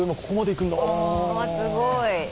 すごい。